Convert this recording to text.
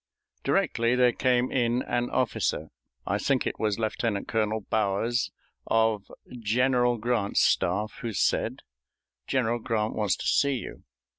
Directly there came in an officer I think it was Lieutenant Colonel Bowers, of General Grant's staff who said: "General Grant wants to see you."